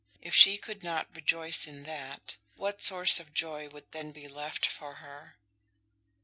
If she could not rejoice in that, what source of joy would then be left for her?